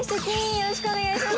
よろしくお願いします。